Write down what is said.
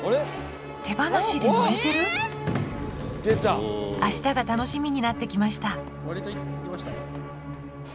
手放しで乗れてる⁉あしたが楽しみになってきました